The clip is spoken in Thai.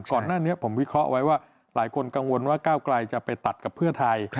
ก่อนหน้านี้ผมวิเคราะห์ไว้ว่าหลายคนกังวลว่าก้าวไกลจะไปตัดกับเพื่อไทย